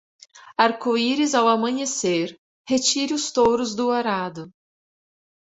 Arco-íris ao amanhecer, retire os touros do arado.